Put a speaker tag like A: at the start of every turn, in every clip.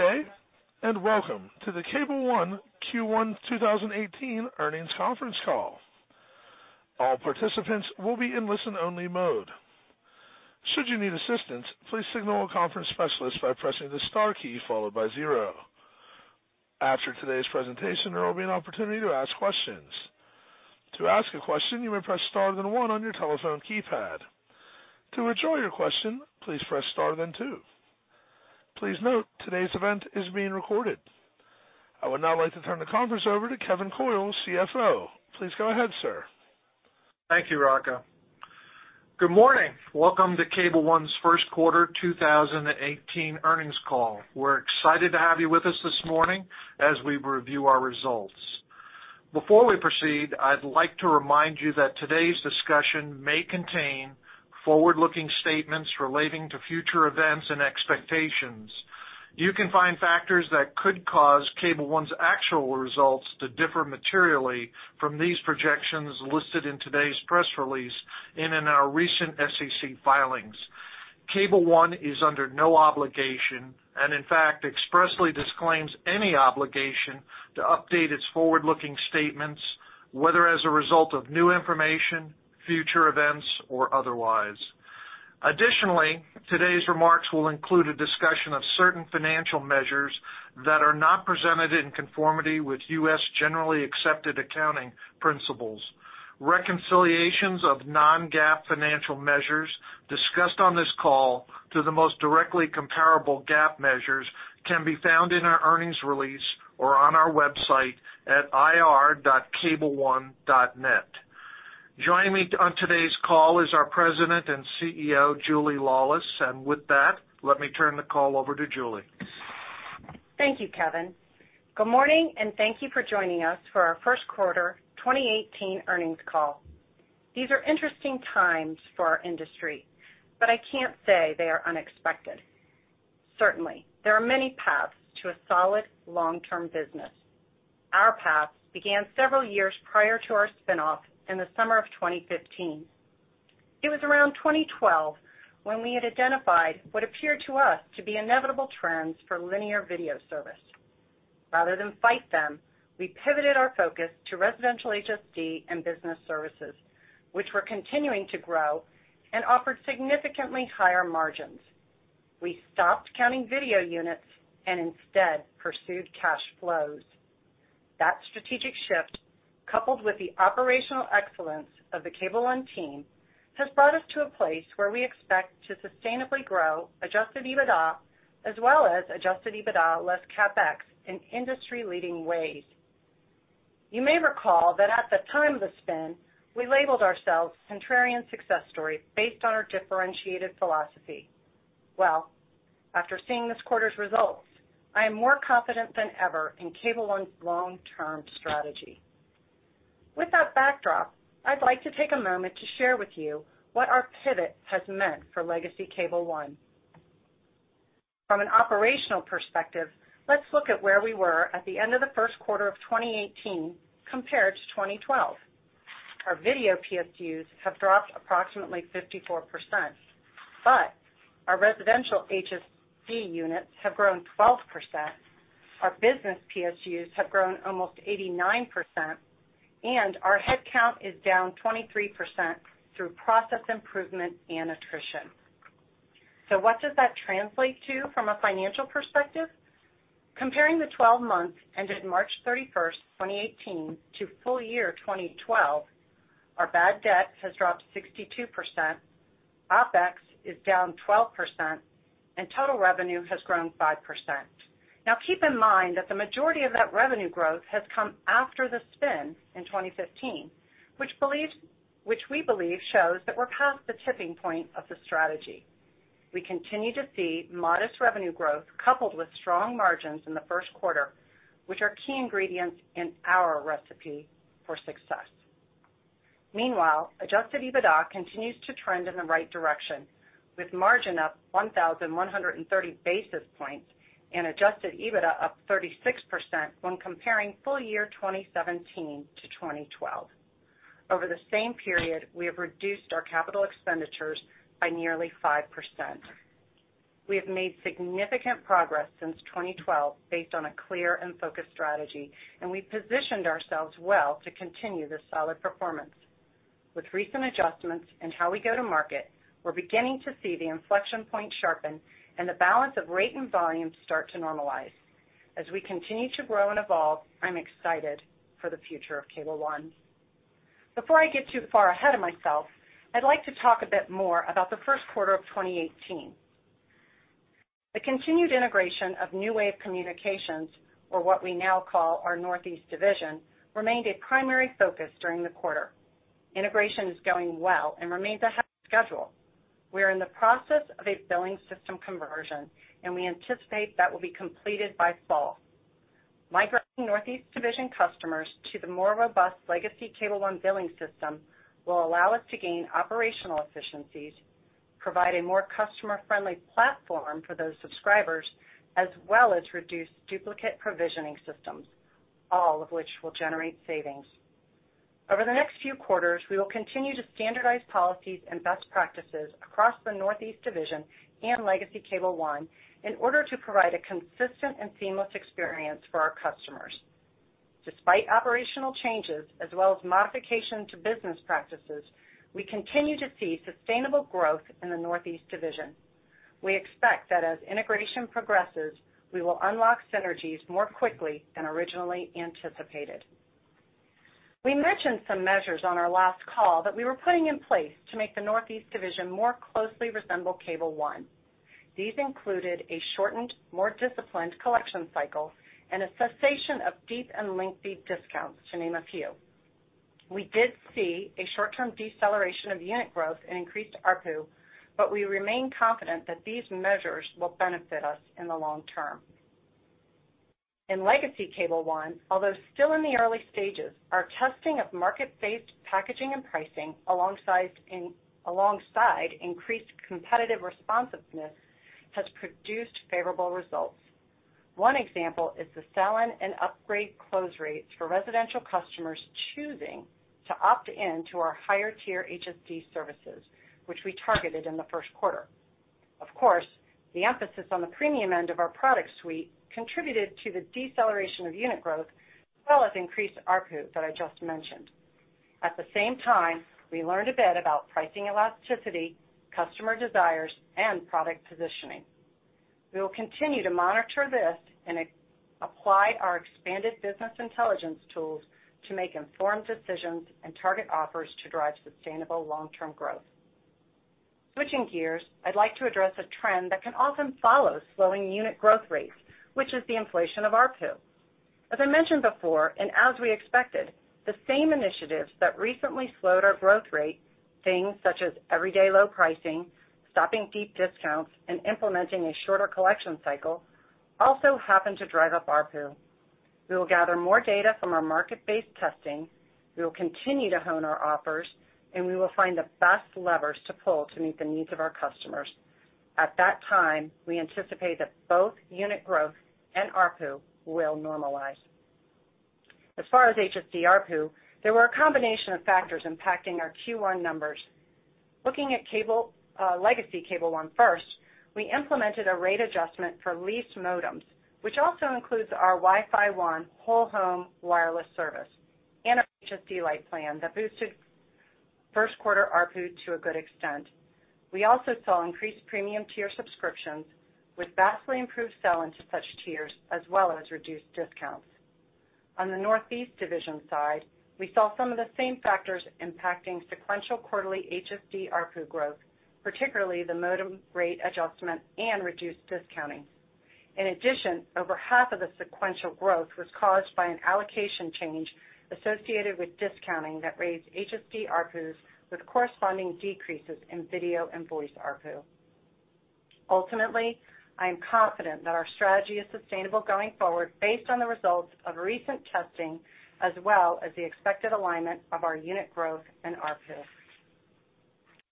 A: Good day. Welcome to the Cable One Q1 2018 earnings conference call. All participants will be in listen only mode. Should you need assistance, please signal a conference specialist by pressing the star key followed by zero. After today's presentation, there will be an opportunity to ask questions. To ask a question, you may press star then one on your telephone keypad. To withdraw your question, please press star then two. Please note, today's event is being recorded. I would now like to turn the conference over to Kevin Coyle, CFO. Please go ahead, sir.
B: Thank you, Rocco. Good morning. Welcome to Cable One's first quarter 2018 earnings call. We're excited to have you with us this morning as we review our results. Before we proceed, I'd like to remind you that today's discussion may contain forward-looking statements relating to future events and expectations. You can find factors that could cause Cable One's actual results to differ materially from these projections listed in today's press release and in our recent SEC filings. Cable One is under no obligation, in fact, expressly disclaims any obligation to update its forward-looking statements, whether as a result of new information, future events, or otherwise. Additionally, today's remarks will include a discussion of certain financial measures that are not presented in conformity with U.S. generally accepted accounting principles. Reconciliations of non-GAAP financial measures discussed on this call to the most directly comparable GAAP measures can be found in our earnings release or on our website at ir.cableone.net. Joining me on today's call is our President and CEO, Julia Laulis. With that, let me turn the call over to Julia.
C: Thank you, Kevin. Good morning. Thank you for joining us for our first quarter 2018 earnings call. These are interesting times for our industry, I can't say they are unexpected. Certainly, there are many paths to a solid long-term business. Our path began several years prior to our spinoff in the summer of 2015. It was around 2012 when we had identified what appeared to us to be inevitable trends for linear video service. Rather than fight them, we pivoted our focus to residential HSD and business services, which were continuing to grow and offered significantly higher margins. We stopped counting video units and instead pursued cash flows. That strategic shift, coupled with the operational excellence of the Cable One team, has brought us to a place where we expect to sustainably grow adjusted EBITDA, as well as adjusted EBITDA less CapEx in industry-leading ways. You may recall that at the time of the spin, we labeled ourselves contrarian success stories based on our differentiated philosophy. Well, after seeing this quarter's results, I am more confident than ever in Cable One's long-term strategy. With that backdrop, I'd like to take a moment to share with you what our pivot has meant for Legacy Cable One. From an operational perspective, let's look at where we were at the end of the first quarter of 2018 compared to 2012. Our video PSUs have dropped approximately 54%, but our residential HSD units have grown 12%, our business PSUs have grown almost 89%, and our headcount is down 23% through process improvement and attrition. So what does that translate to from a financial perspective? Comparing the 12 months ended March 31st, 2018, to full year 2012, our bad debt has dropped 62%, OpEx is down 12%, and total revenue has grown 5%. Keep in mind that the majority of that revenue growth has come after the spin in 2015, which we believe shows that we're past the tipping point of the strategy. We continue to see modest revenue growth coupled with strong margins in the first quarter, which are key ingredients in our recipe for success. adjusted EBITDA continues to trend in the right direction, with margin up 1,130 basis points and adjusted EBITDA up 36% when comparing full year 2017 to 2012. Over the same period, we have reduced our capital expenditures by nearly 5%. We have made significant progress since 2012 based on a clear and focused strategy, and we've positioned ourselves well to continue this solid performance. With recent adjustments in how we go to market, we're beginning to see the inflection point sharpen and the balance of rate and volume start to normalize. As we continue to grow and evolve, I'm excited for the future of Cable One. Before I get too far ahead of myself, I'd like to talk a bit more about the first quarter of 2018. The continued integration of NewWave Communications, or what we now call our Northeast Division, remained a primary focus during the quarter. Integration is going well and remains ahead of schedule. We are in the process of a billing system conversion, and we anticipate that will be completed by fall. Migrating Northeast Division customers to the more robust Legacy Cable One billing system will allow us to gain operational efficiencies, provide a more customer-friendly platform for those subscribers, as well as reduce duplicate provisioning systems, all of which will generate savings. Over the next few quarters, we will continue to standardize policies and best practices across the Northeast Division and Legacy Cable One in order to provide a consistent and seamless experience for our customers. Despite operational changes as well as modifications to business practices, we continue to see sustainable growth in the Northeast Division. We expect that as integration progresses, we will unlock synergies more quickly than originally anticipated. We mentioned some measures on our last call that we were putting in place to make the Northeast Division more closely resemble Cable One. These included a shortened, more disciplined collection cycle and a cessation of deep and lengthy discounts, to name a few. We did see a short-term deceleration of unit growth and increased ARPU, but we remain confident that these measures will benefit us in the long term. In Legacy Cable One, although still in the early stages, our testing of market-based packaging and pricing alongside increased competitive responsiveness has produced favorable results. One example is the sell-in and upgrade close rates for residential customers choosing to opt in to our higher tier HSD services, which we targeted in the first quarter. Of course, the emphasis on the premium end of our product suite contributed to the deceleration of unit growth, as well as increased ARPU that I just mentioned. At the same time, we learned a bit about pricing elasticity, customer desires, and product positioning. We will continue to monitor this and apply our expanded business intelligence tools to make informed decisions and target offers to drive sustainable long-term growth. Switching gears, I'd like to address a trend that can often follow slowing unit growth rates, which is the inflation of ARPU. As I mentioned before, and as we expected, the same initiatives that recently slowed our growth rate, things such as everyday low pricing, stopping deep discounts, and implementing a shorter collection cycle also happened to drive up ARPU. We will gather more data from our market-based testing, we will continue to hone our offers, and we will find the best levers to pull to meet the needs of our customers. At that time, we anticipate that both unit growth and ARPU will normalize. As far as HSD ARPU, there were a combination of factors impacting our Q1 numbers. Looking at Legacy Cable One first, we implemented a rate adjustment for leased modems, which also includes our WiFi ONE whole home wireless service, and our HSD Lite plan that boosted first quarter ARPU to a good extent. We also saw increased premium tier subscriptions with vastly improved sell into such tiers, as well as reduced discounts. On the Northeast Division side, we saw some of the same factors impacting sequential quarterly HSD ARPU growth, particularly the modem rate adjustment and reduced discounting. In addition, over half of the sequential growth was caused by an allocation change associated with discounting that raised HSD ARPUs with corresponding decreases in video and voice ARPU. Ultimately, I am confident that our strategy is sustainable going forward based on the results of recent testing, as well as the expected alignment of our unit growth and ARPUs.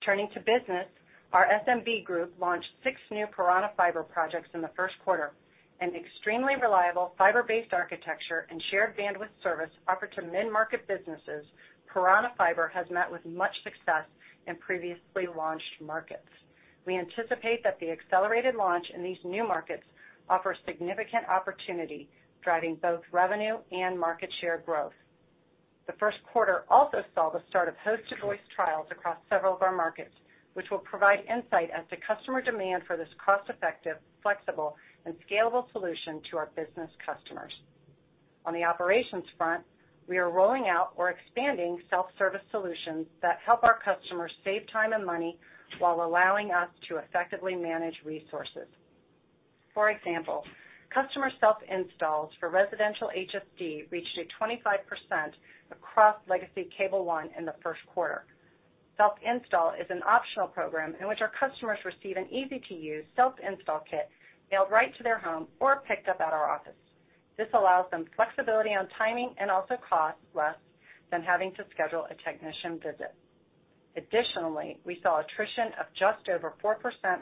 C: Turning to business, our SMB group launched six new Piranha Fiber projects in the first quarter, an extremely reliable fiber-based architecture and shared bandwidth service offered to mid-market businesses. Piranha Fiber has met with much success in previously launched markets. We anticipate that the accelerated launch in these new markets offers significant opportunity, driving both revenue and market share growth. The first quarter also saw the start of hosted voice trials across several of our markets, which will provide insight as to customer demand for this cost-effective, flexible, and scalable solution to our business customers. On the operations front, we are rolling out or expanding self-service solutions that help our customers save time and money while allowing us to effectively manage resources. For example, customer self-installs for residential HSD reached 25% across Legacy Cable One in the first quarter. Self-install is an optional program in which our customers receive an easy-to-use self-install kit mailed right to their home or picked up at our office. This allows them flexibility on timing and also costs less than having to schedule a technician visit. Additionally, we saw attrition of just over 4%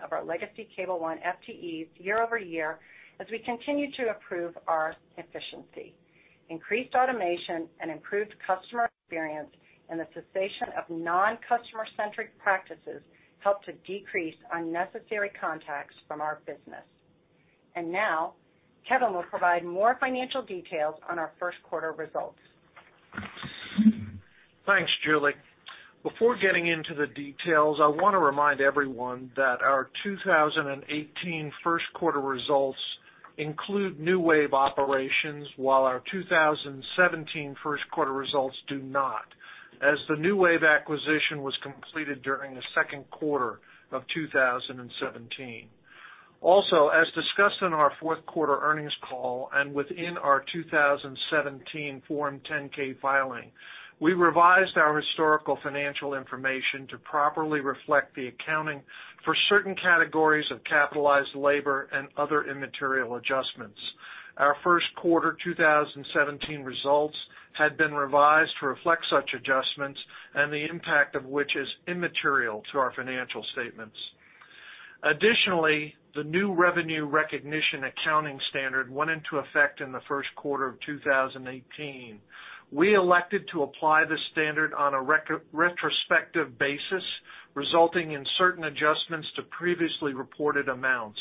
C: of our legacy Cable One FTEs year-over-year as we continue to improve our efficiency. Increased automation and improved customer experience, and the cessation of non-customer-centric practices helped to decrease unnecessary contacts from our business. Now, Kevin will provide more financial details on our first quarter results.
B: Thanks, Julia. Before getting into the details, I want to remind everyone that our 2018 first quarter results include NewWave operations, while our 2017 first quarter results do not, as the NewWave acquisition was completed during the second quarter of 2017. As discussed in our fourth quarter earnings call and within our 2017 Form 10-K filing, we revised our historical financial information to properly reflect the accounting for certain categories of capitalized labor and other immaterial adjustments. Our first quarter 2017 results had been revised to reflect such adjustments, and the impact of which is immaterial to our financial statements. The new revenue recognition accounting standard went into effect in the first quarter of 2018. We elected to apply this standard on a retrospective basis, resulting in certain adjustments to previously reported amounts.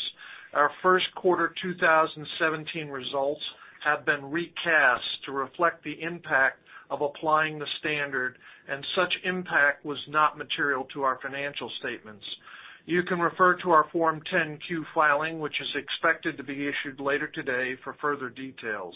B: Our first quarter 2017 results have been recast to reflect the impact of applying the standard, and such impact was not material to our financial statements. You can refer to our Form 10-Q filing, which is expected to be issued later today for further details.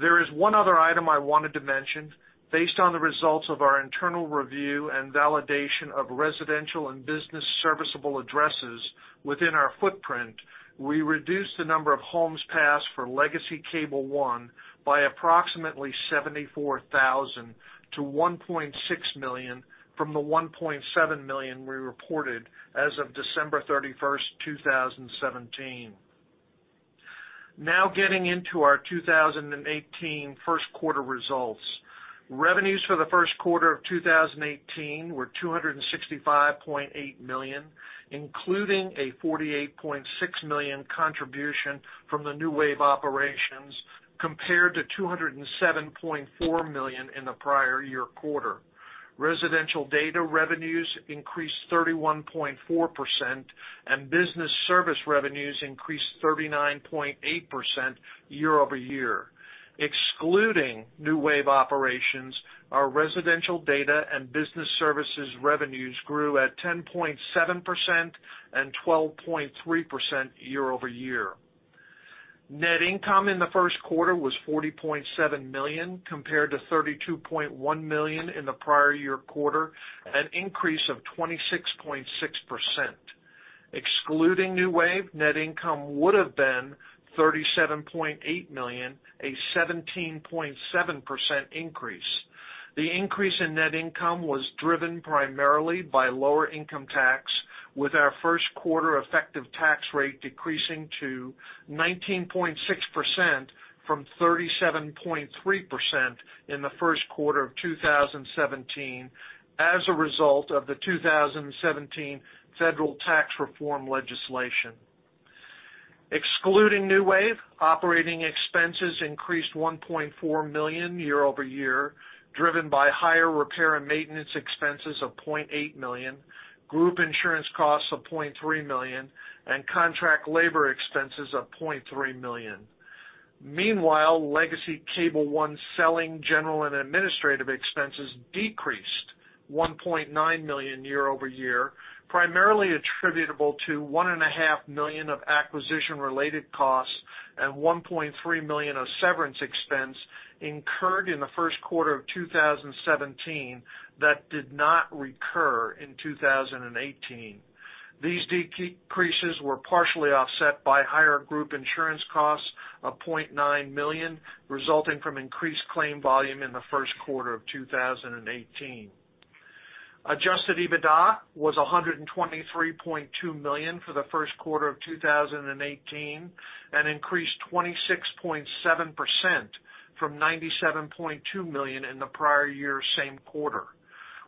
B: There is one other item I wanted to mention. Based on the results of our internal review and validation of residential and business serviceable addresses within our footprint, we reduced the number of homes passed for legacy Cable One by approximately 74,000 to $1.6 million, from the $1.7 million we reported as of December 31st, 2017. Getting into our 2018 first quarter results. Revenues for the first quarter of 2018 were $265.8 million, including a $48.6 million contribution from the NewWave operations, compared to $207.4 million in the prior year quarter. Residential data revenues increased 31.4%, and business service revenues increased 39.8% year-over-year. Excluding NewWave operations, our residential data and business services revenues grew at 10.7% and 12.3% year-over-year. Net income in the first quarter was $40.7 million, compared to $32.1 million in the prior year quarter, an increase of 26.6%. Excluding NewWave, net income would've been $37.8 million, a 17.7% increase. The increase in net income was driven primarily by lower income tax, with our first quarter effective tax rate decreasing to 19.6% from 37.3% in the first quarter of 2017 as a result of the 2017 federal tax reform legislation. Excluding NewWave, operating expenses increased $1.4 million year-over-year, driven by higher repair and maintenance expenses of $0.8 million, group insurance costs of $0.3 million, and contract labor expenses of $0.3 million. Meanwhile, legacy Cable One selling general and administrative expenses decreased $1.9 million year-over-year, primarily attributable to $1.5 million of acquisition-related costs and $1.3 million of severance expense incurred in the first quarter of 2017 that did not recur in 2018. These decreases were partially offset by higher group insurance costs of $0.9 million, resulting from increased claim volume in the first quarter of 2018. Adjusted EBITDA was $123.2 million for the first quarter of 2018 and increased 26.7% from $97.2 million in the prior year same quarter.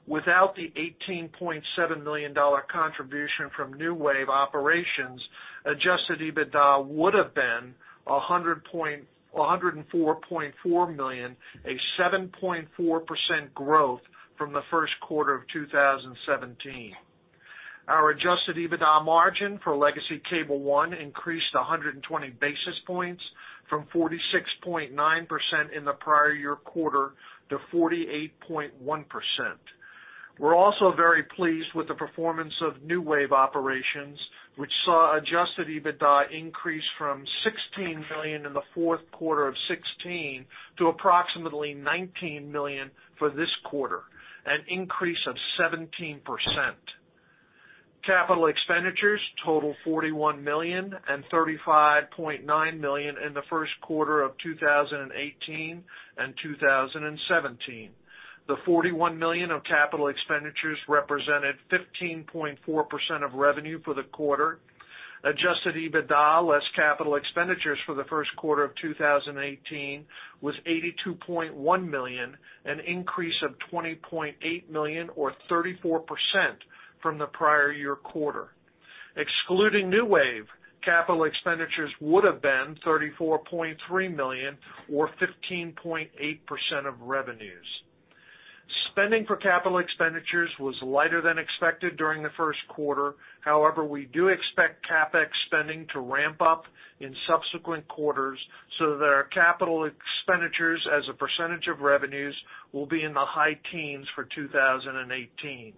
B: Without the $18.7 million contribution from NewWave operations, adjusted EBITDA would've been $104.4 million, a 7.4% growth from the first quarter of 2017. Our adjusted EBITDA margin for legacy Cable One increased 120 basis points from 46.9% in the prior year quarter to 48.1%. We're also very pleased with the performance of NewWave operations, which saw adjusted EBITDA increase from $16 million in the fourth quarter of 2016 to approximately $19 million for this quarter, an increase of 17%. Capital expenditures total $41 million and $35.9 million in the first quarter of 2018 and 2017. The $41 million of capital expenditures represented 15.4% of revenue for the quarter. Adjusted EBITDA less capital expenditures for the first quarter of 2018 was $82.1 million, an increase of $20.8 million or 34% from the prior year quarter. Excluding NewWave, capital expenditures would've been $34.3 million or 15.8% of revenues. Spending for capital expenditures was lighter than expected during the first quarter. However, we do expect CapEx spending to ramp up in subsequent quarters so that our capital expenditures as a percentage of revenues will be in the high teens for 2018.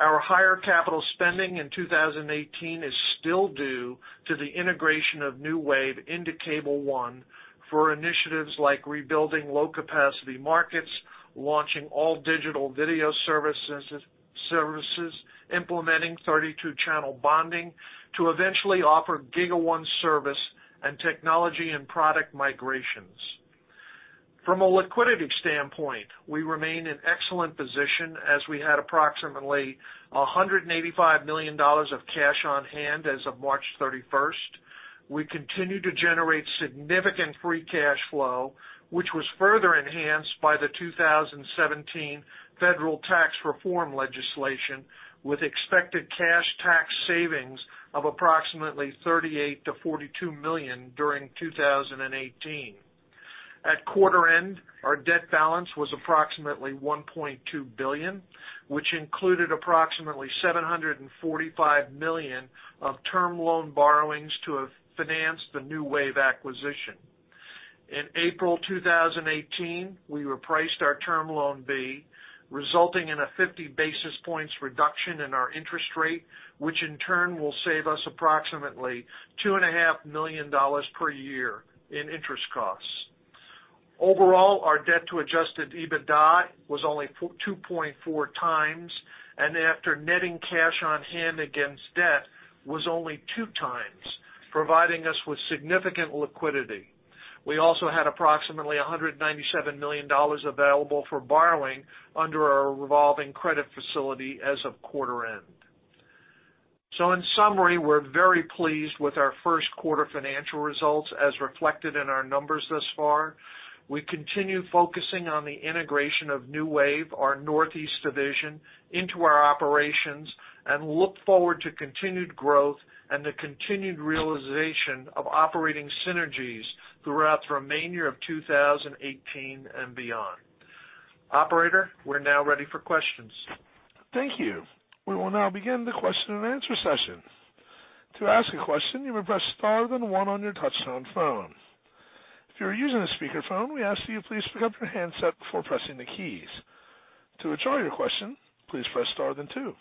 B: Our higher capital spending in 2018 is still due to the integration of NewWave into Cable One for initiatives like rebuilding low capacity markets, launching all digital video services, implementing 32-channel bonding to eventually offer GigaONE service, and technology and product migrations. From a liquidity standpoint, we remain in excellent position as we had approximately $185 million of cash on hand as of March 31. We continue to generate significant free cash flow, which was further enhanced by the 2017 federal tax reform legislation, with expected cash tax savings of approximately $38 million-$42 million during 2018. At quarter end, our debt balance was approximately $1.2 billion, which included approximately $745 million of term loan borrowings to have financed the NewWave acquisition. In April 2018, we repriced our Term Loan B, resulting in a 50 basis points reduction in our interest rate, which in turn will save us approximately $2.5 million per year in interest costs. Overall, our debt to adjusted EBITDA was only 2.4 times, and after netting cash on hand against debt, was only 2 times, providing us with significant liquidity. We also had approximately $197 million available for borrowing under our revolving credit facility as of quarter end. In summary, we're very pleased with our first quarter financial results as reflected in our numbers thus far. We continue focusing on the integration of NewWave, our Northeast Division, into our operations and look forward to continued growth and the continued realization of operating synergies throughout the remainder of 2018 and beyond. Operator, we're now ready for questions.
A: Thank you. We will now begin the question and answer session. To ask a question, you may press star then one on your touchtone phone. If you are using a speakerphone, we ask that you please pick up your handset before pressing the keys. To withdraw your question, please press star then two.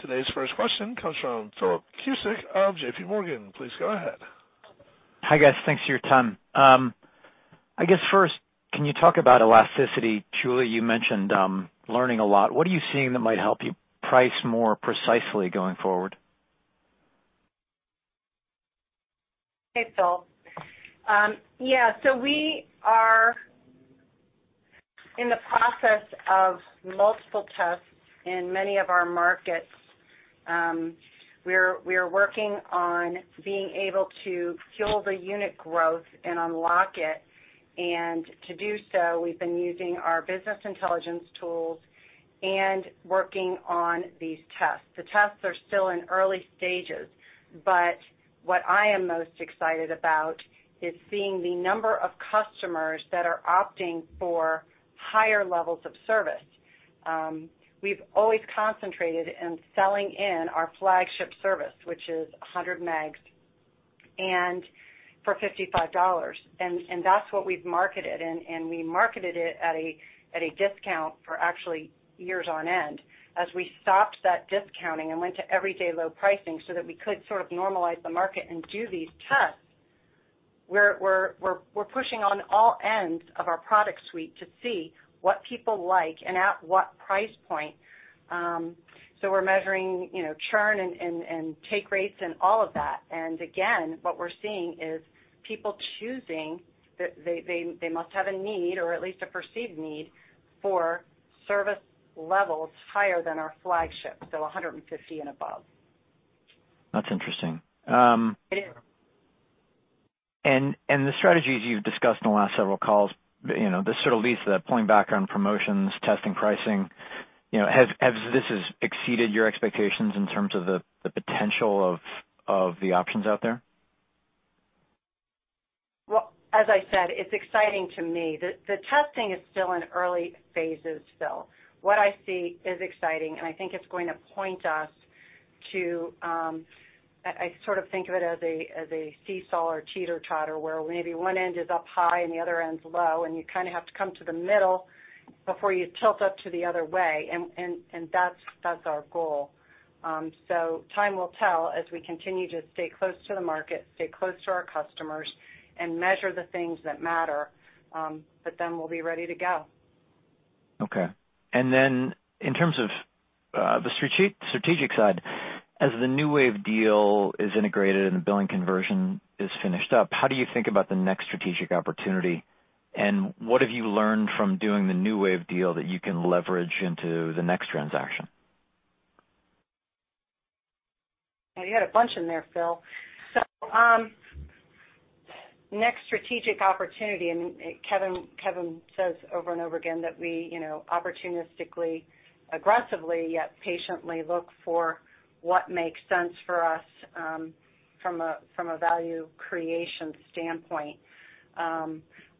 A: Today's first question comes from Philip Cusick of JPMorgan. Please go ahead.
D: Hi, guys. Thanks for your time. I guess first, can you talk about elasticity? Julia, you mentioned learning a lot. What are you seeing that might help you price more precisely going forward?
C: Hey, Philip. Yeah, we are in the process of multiple tests in many of our markets. We're working on being able to fuel the unit growth and unlock it. To do so, we've been using our business intelligence tools and working on these tests. The tests are still in early stages, but what I am most excited about is seeing the number of customers that are opting for higher levels of service. We've always concentrated in selling in our flagship service, which is 100 megs, and for $55. That's what we've marketed, and we marketed it at a discount for actually years on end. As we stopped that discounting and went to everyday low pricing so that we could sort of normalize the market and do these tests, we're pushing on all ends of our product suite to see what people like and at what price point. We're measuring churn and take rates and all of that. Again, what we're seeing is people choosing, they must have a need or at least a perceived need for service levels higher than our flagship, so 150 and above.
D: That's interesting.
C: It is.
D: The strategies you've discussed in the last several calls, this sort of leads to that, pulling back on promotions, testing pricing. Has this exceeded your expectations in terms of the potential of the options out there?
C: Well, as I said, it's exciting to me. The testing is still in early phases, Phil. What I see is exciting, and I think it's going to point us to, I sort of think of it as a seesaw or teeter-totter, where maybe one end is up high and the other end's low, and you kind of have to come to the middle before you tilt up to the other way, and that's our goal. Time will tell as we continue to stay close to the market, stay close to our customers, and measure the things that matter, but then we'll be ready to go.
D: Then in terms of the strategic side, as the NewWave deal is integrated and the billing conversion is finished up, how do you think about the next strategic opportunity, and what have you learned from doing the NewWave deal that you can leverage into the next transaction?
C: You had a bunch in there, Phil. Next strategic opportunity, Kevin says over and over again that we opportunistically, aggressively, yet patiently look for what makes sense for us from a value creation standpoint.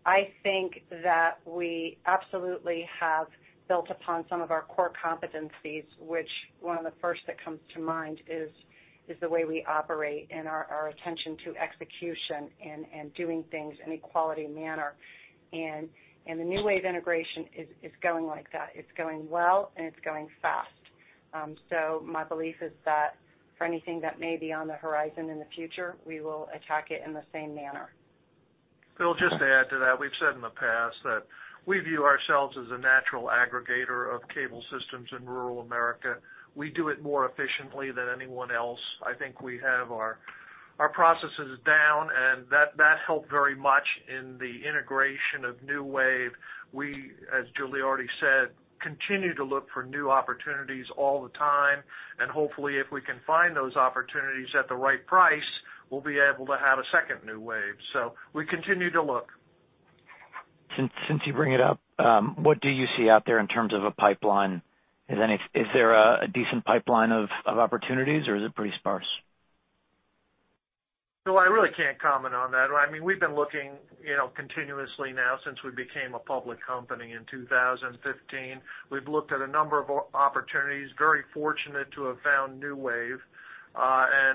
C: I think that we absolutely have built upon some of our core competencies, which one of the first that comes to mind is the way we operate and our attention to execution and doing things in a quality manner. The NewWave integration is going like that. It's going well, and it's going fast. My belief is that for anything that may be on the horizon in the future, we will attack it in the same manner.
B: Phil, just to add to that, we've said in the past that we view ourselves as a natural aggregator of cable systems in rural America. We do it more efficiently than anyone else. I think we have our processes down, and that helped very much in the integration of NewWave. We, as Julie already said Continue to look for new opportunities all the time, and hopefully, if we can find those opportunities at the right price, we'll be able to have a second NewWave. We continue to look.
D: Since you bring it up, what do you see out there in terms of a pipeline? Is there a decent pipeline of opportunities, or is it pretty sparse?
B: I really can't comment on that. We've been looking continuously now since we became a public company in 2015. We've looked at a number of opportunities. Very fortunate to have found NewWave.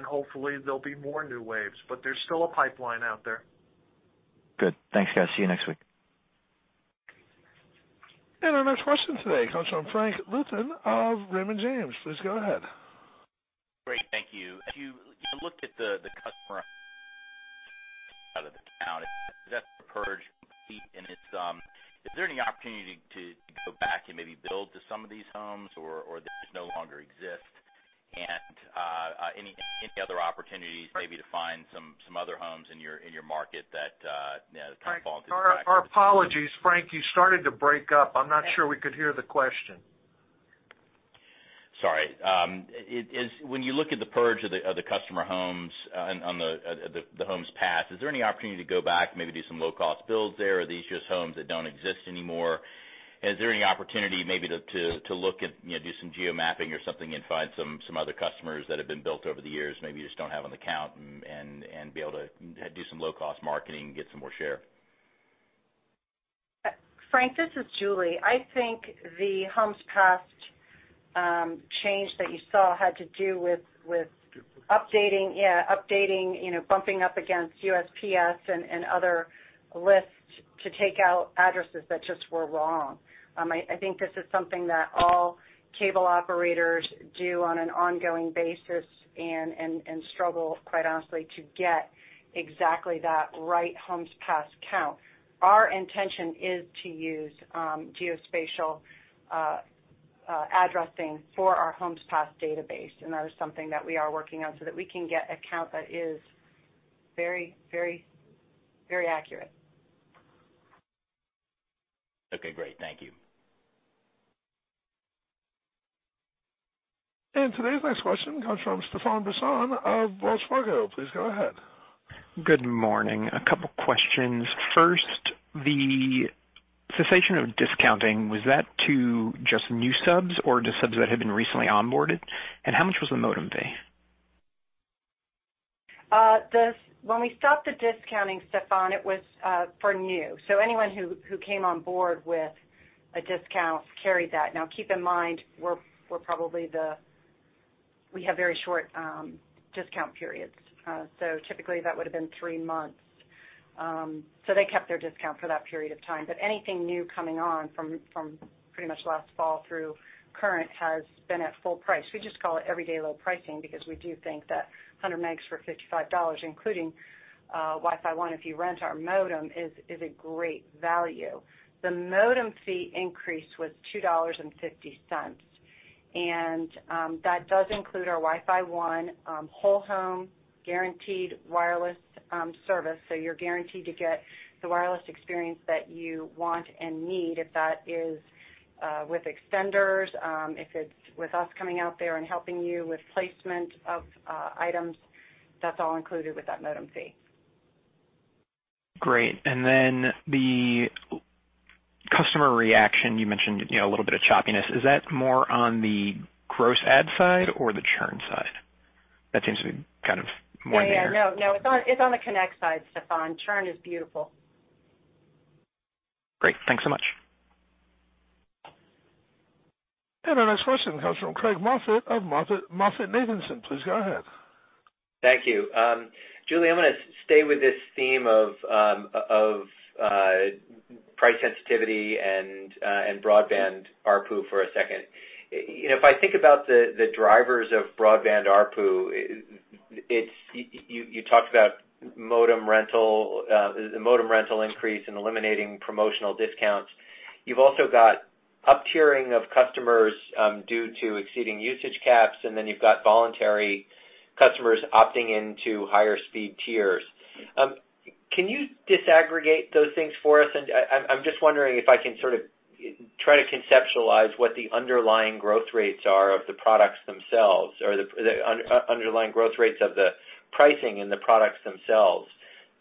B: Hopefully, there'll be more NewWaves, but there's still a pipeline out there.
D: Good. Thanks, guys. See you next week.
A: Our next question today comes from Frank Louthan of Raymond James. Please go ahead.
E: Great. Thank you. As you look at the customer, is that the purge complete, and is there any opportunity to go back and maybe build to some of these homes or they just no longer exist? Any other opportunities maybe to find some other homes in your market that kind of fall through the cracks?
B: Our apologies, Frank, you started to break up. I'm not sure we could hear the question.
E: Sorry. When you look at the purge of the customer homes on the Homes Passed, is there any opportunity to go back and maybe do some low-cost builds there, or are these just homes that don't exist anymore? Is there any opportunity maybe to look at do some geo-mapping or something and find some other customers that have been built over the years, maybe you just don't have on the account and be able to do some low-cost marketing and get some more share?
C: Frank, this is Julia. I think the Homes Passed change that you saw had to do with updating, bumping up against USPS and other lists to take out addresses that just were wrong. I think this is something that all cable operators do on an ongoing basis and struggle, quite honestly, to get exactly that right Homes Passed count. Our intention is to use geospatial addressing for our Homes Passed database, and that is something that we are working on so that we can get a count that is very accurate.
E: Okay, great. Thank you.
A: Today's next question comes from Sebastiano Petti of Wells Fargo. Please go ahead.
F: Good morning. A couple questions. First, the cessation of discounting, was that to just new subs or to subs that had been recently onboarded? How much was the modem fee?
C: When we stopped the discounting, Sebastiano, it was for new. Anyone who came on board with a discount carried that. Keep in mind, we have very short discount periods. Typically, that would've been three months. They kept their discount for that period of time. Anything new coming on from pretty much last fall through current has been at full price. We just call it everyday low pricing because we do think that 100 megs for $55, including WiFi ONE if you rent our modem, is a great value. The modem fee increase was $2.50. That does include our WiFi ONE whole-home guaranteed wireless service. You're guaranteed to get the wireless experience that you want and need. If that is with extenders, if it's with us coming out there and helping you with placement of items, that's all included with that modem fee.
F: Great. Then the customer reaction, you mentioned a little bit of choppiness. Is that more on the gross add side or the churn side? That seems to be kind of more in the air.
C: Yeah. No, it's on the connect side, Stefan. Churn is beautiful.
F: Great. Thanks so much.
A: Our next question comes from Craig Moffett of MoffettNathanson. Please go ahead.
G: Thank you. Julie, I'm going to stay with this theme of price sensitivity and broadband ARPU for a second. If I think about the drivers of broadband ARPU, you talked about modem rental increase and eliminating promotional discounts. You've also got up-tiering of customers due to exceeding usage caps, then you've got voluntary customers opting into higher speed tiers. Can you disaggregate those things for us? I'm just wondering if I can sort of try to conceptualize what the underlying growth rates are of the products themselves, or the underlying growth rates of the pricing and the products themselves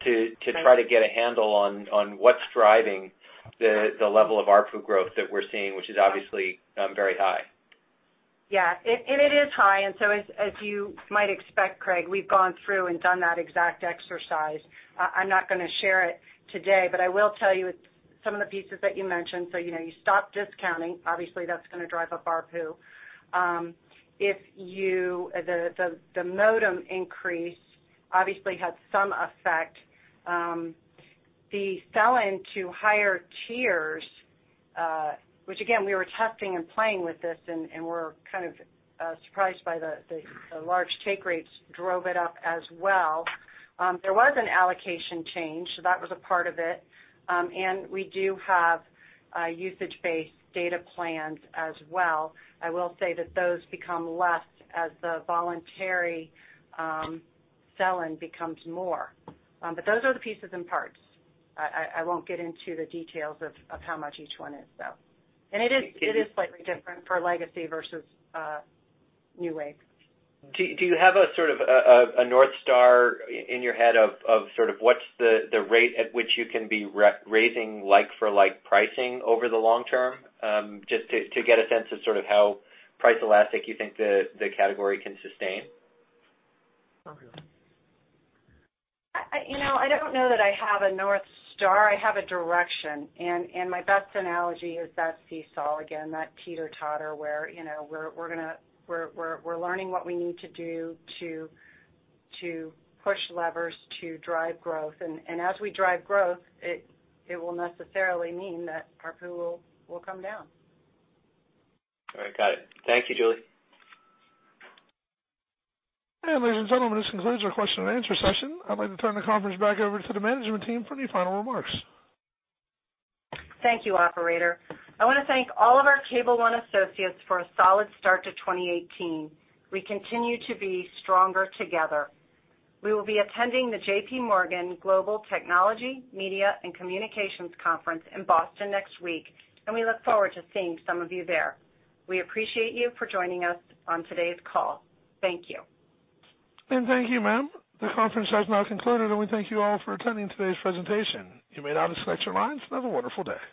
G: to try to get a handle on what's driving the level of ARPU growth that we're seeing, which is obviously very high.
C: Yeah. It is high. As you might expect, Craig, we've gone through and done that exact exercise. I'm not going to share it today, but I will tell you some of the pieces that you mentioned. You stop discounting, obviously that's going to drive up ARPU. The modem increase obviously had some effect. The sell-in to higher tiers, which again, we were testing and playing with this and were kind of surprised by the large take rates drove it up as well. There was an allocation change. That was a part of it, and we do have usage-based data plans as well. I will say that those become less as the voluntary sell-in becomes more. Those are the pieces and parts. I won't get into the details of how much each one is, though. It is slightly different for legacy versus NewWave.
G: Do you have a sort of a North Star in your head of sort of what's the rate at which you can be raising like for like pricing over the long term? Just to get a sense of sort of how price elastic you think the category can sustain.
C: I don't know that I have a North Star. I have a direction. My best analogy is that seesaw again, that teeter-totter, where we're learning what we need to do to push levers to drive growth. As we drive growth, it will necessarily mean that ARPU will come down.
G: All right, got it. Thank you, Julia.
A: ladies and gentlemen, this concludes our question and answer session. I'd like to turn the conference back over to the management team for any final remarks.
C: Thank you, operator. I want to thank all of our Cable One associates for a solid start to 2018. We continue to be stronger together. We will be attending the J.P. Morgan Global Technology, Media and Communications Conference in Boston next week, and we look forward to seeing some of you there. We appreciate you for joining us on today's call. Thank you.
A: Thank you, ma'am. The conference has now concluded, and we thank you all for attending today's presentation. You may now disconnect your lines and have a wonderful day.